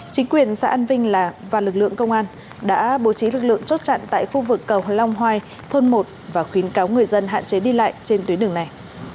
chính quyền xã an vinh là và lực lượng công an đã bố trí lực lượng chốt chặn tại khu vực cầu long hoa thôn một và khuyến cáo người dân hạn chế đi lại trên tuyến đường này